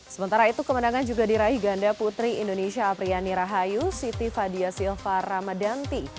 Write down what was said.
sementara itu kemenangan juga diraih ganda putri indonesia apriani rahayu siti fadia silva ramadanti